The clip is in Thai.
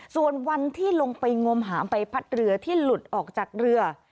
ส่วนวันที่ลงไปงมหามใบพัดเรือที่หลุดออกจากเรือ